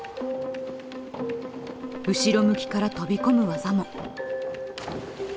後ろ向きから飛び込む技も。